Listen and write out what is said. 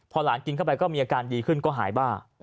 พอหลานกินเข้าไปก็มีอาการดีขึ้นก็หายบ้า